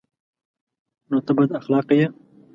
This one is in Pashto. _نو ته بد اخلاقه يې؟